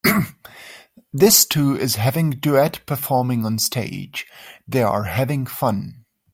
This two is having duet performing on stage, They are having fun.